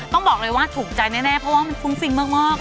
ต้องบอกเลยว่าถูกใจแน่เพราะว่ามันฟุ้งฟิ้งมาก